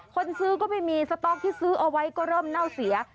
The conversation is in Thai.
คนซื้อก็ไม่มีสต๊อกที่ซื้อเอาไว้ก็เริ่มเน่าเสีย